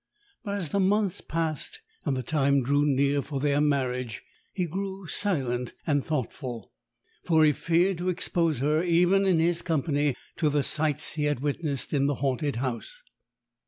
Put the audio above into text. But as the months passed and the time drew near for their marriage, he grew silent and thoughtful, for he feared to expose her, even in his company, to the sights he had witnessed in the haunted house.